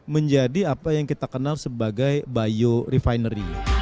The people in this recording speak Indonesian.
menjadi apa yang kita kenal sebagai biorefinery